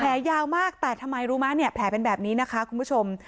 ยาวมากแต่ทำไมรู้ไหมเนี่ยแผลเป็นแบบนี้นะคะคุณผู้ชม